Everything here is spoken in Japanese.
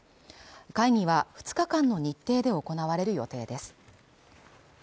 会議は２日間の日程で行われる予定です